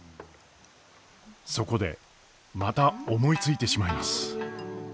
そこでまた思いついてしまいます！